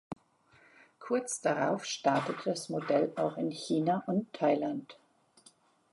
Kurz darauf startete das Modell auch in China und Thailand.